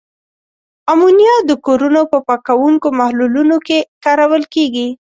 امونیا د کورونو په پاکوونکو محلولونو کې کارول کیږي.